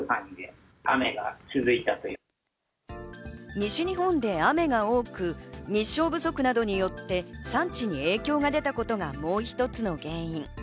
西日本で雨が多く、日照不足などによって産地に影響が出たことがもう一つの原因。